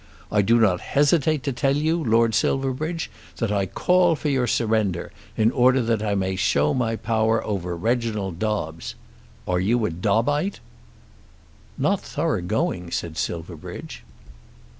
I do not hesitate to tell you, Lord Silverbridge, that I call for your surrender, in order that I may show my power over Reginald Dobbes. Are you a Dobbite?" "Not thorough going," said Silverbridge.